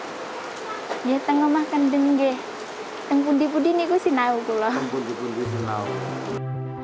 di tempat yang seberangnya